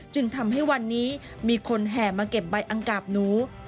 จึงทำให้วันนี้มีคนแห่มาเก็บใบอังกาบหนู